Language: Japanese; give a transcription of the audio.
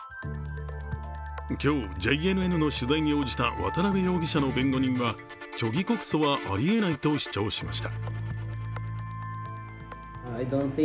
今日、ＪＮＮの取材に応じた渡辺容疑者の弁護人は虚偽告訴はあり得ないと主張しました。